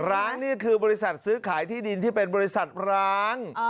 ร้างนี่คือบริษัทซื้อขายที่ดินที่เป็นบริษัทร้าง